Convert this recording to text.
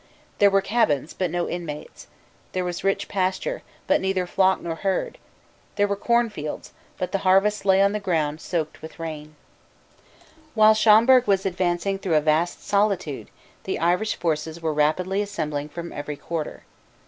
There were cabins, but no inmates: there was rich pasture, but neither flock nor herd: there were cornfields; but the harvest lay on the ground soaked with rain, While Schomberg was advancing through a vast solitude, the Irish forces were rapidly assembling from every quarter.